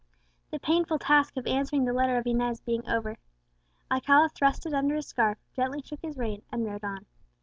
The painful task of answering the letter of Inez being over, Alcala thrust it under his scarf, gently shook his rein, and rode on.